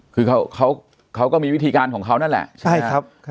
คือเขาก็มีวิธีการของเขานั่นแหละใช่ครับ